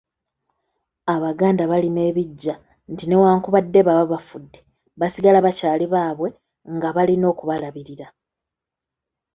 Abaganda barima ebiggya nti newankubadde baba bafudde, basigala bakyaali baabwe nga balina okubalabirira.